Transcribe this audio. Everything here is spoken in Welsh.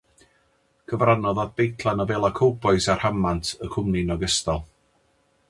Cyfrannodd at deitlau nofelau cowbois a rhamant y cwmni'n ogystal.